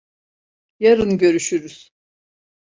Yarın görüşürüz.